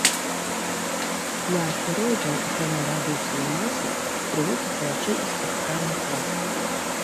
Для астэроідаў акрамя радыуса і масы прыводзіцца яшчэ і спектральны клас.